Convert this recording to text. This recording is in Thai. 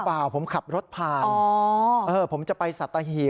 ผมเปล่าผมขับรถผ่านผมจะไปสัตหีบนะครับ